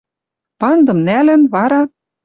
Пандым нӓлӹн, вара